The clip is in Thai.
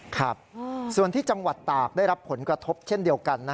ครับส่วนที่จังหวัดตากได้รับผลกระทบเช่นเดียวกัน